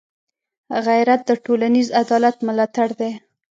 غیرت د ټولنيز عدالت ملاتړی دی